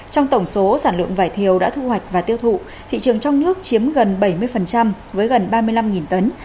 trong tổng số sản lượng vải thiều đã thu hoạch và tiêu thụ thị trường trong nước chiếm gần bảy mươi với gần ba mươi năm tấn